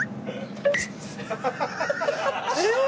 えっ！